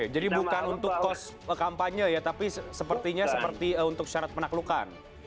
jadi bukan untuk kos kampanye ya tapi sepertinya seperti untuk syarat penaklukan